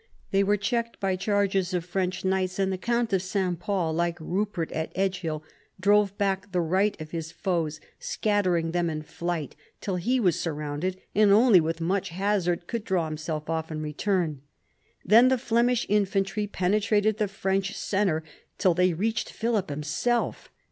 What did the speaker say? They were checked by charges of French knights, 104 PHILIP AUGUSTUS chap. and the count of S. Pol, like Enpert at Edgehill, drove back the right of his foes, scattering them in flight till he was surrounded, and only with much hazard could draw himself off and return. Then the Flemish infantry penetrated the French centre till they reached Philip himself.